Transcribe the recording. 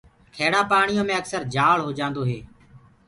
کيڙآ پآڻيو مي اڪسر جآݪ هوجآندو هي۔